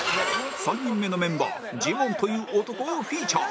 ３人目のメンバージモンという男をフィーチャー